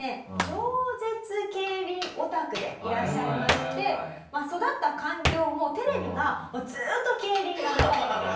超絶競輪オタクでいらっしゃいまして育った環境もテレビがずーっと競輪が流れている。